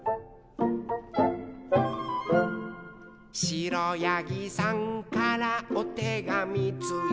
「しろやぎさんからおてがみついた」